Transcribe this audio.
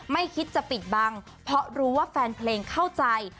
ไม่คิดจะปิดบังเพราะรู้ว่าแฟนเพลงเข้าใจ